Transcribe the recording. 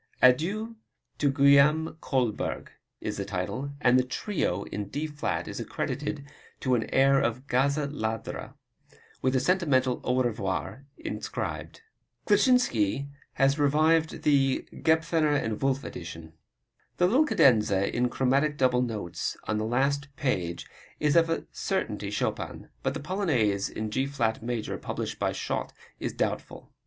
Adieu to Guillaume Kolberg, is the title, and the Trio in D flat is accredited to an air of "Gazza Ladra," with a sentimental Au Revoir inscribed. Kleczynski has revised the Gebethner & Wolff edition. The little cadenza in chromatic double notes on the last page is of a certainty Chopin. But the Polonaise in G flat major, published by Schott, is doubtful.